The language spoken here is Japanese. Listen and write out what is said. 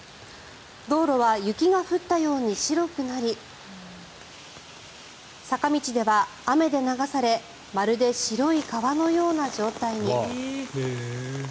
道路は雪が降ったように白くなり坂道では雨で流されまるで白い川のような状態に。